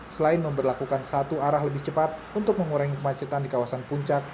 selain memperlakukan satu arah lebih cepat untuk mengurangi kemacetan di kawasan puncak